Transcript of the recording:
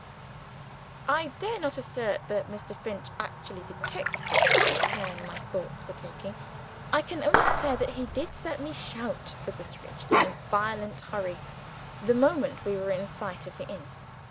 I dare not assert that Mr. Finch actually detected the turn my thoughts were taking I can only declare that he did certainly shout for Gootheridge in a violent hurry, the moment we were in sight of the inn.